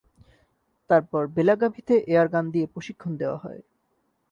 তারপর বেলাগাভিতে এয়ারগান দিয়ে প্রশিক্ষণ দেওয়া হয়।